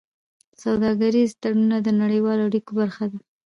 سوداګریز تړونونه د نړیوالو اړیکو برخه ده.